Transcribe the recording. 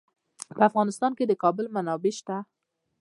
په افغانستان کې د کابل منابع شته.